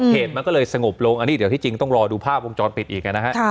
เหตุมันก็เลยสงบลงอันนี้เดี๋ยวที่จริงต้องรอดูภาพวงจรปิดอีกนะฮะ